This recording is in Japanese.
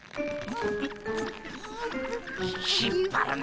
引っぱるな。